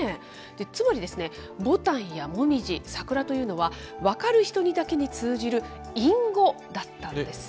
つまりですね、ぼたんやもみじ、さくらというのは、分かる人にだけに通じる隠語だったんですね